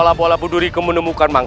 saya akan menjaga kebenaran raden